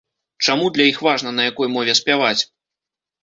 Чаму для іх важна, на якой мове спяваць?